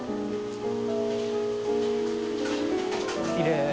きれい。